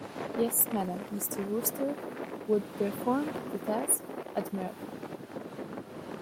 Yes, madam, Mr. Wooster would perform the task admirably.